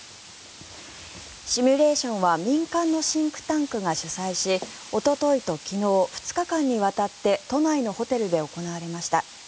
シミュレーションは民間のシンクタンクが主催しおとといと昨日２日間にわたって都内のホテルで行われました。